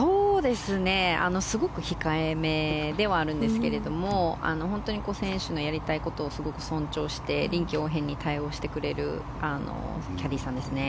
すごく控えめではあるんですけども選手のやりたいことをすごく尊重して臨機応変に対応してくれるキャディーさんですね。